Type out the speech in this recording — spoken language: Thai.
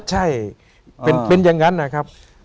ใช่เป็นอย่างนั้นนะครับ